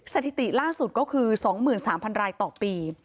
สถิติล่าสุดก็คือ๒๓๐๐รายต่อปี